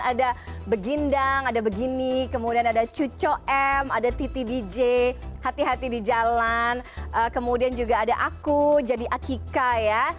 ada begindang ada begini kemudian ada cuco m ada titi dj hati hati di jalan kemudian juga ada aku jadi akika ya